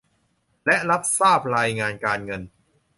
และรับทราบรายงานการเงิน